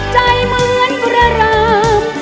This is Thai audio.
ใจเหมือนกระเริม